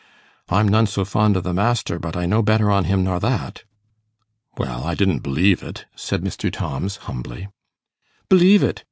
I'm none so fond o' the master, but I know better on him nor that.' 'Well, I didn't b'lieve it,' said Mr. Tomms, humbly. 'B'lieve it?